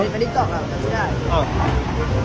ไปนี่ตอบอ่ะพี่ได้